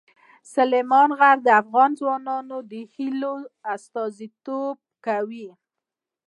سلیمان غر د افغان ځوانانو د هیلو استازیتوب کوي.